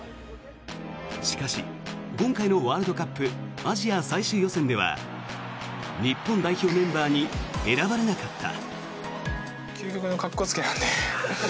しかし、今回のワールドカップアジア最終予選では日本代表メンバーに選ばれなかった。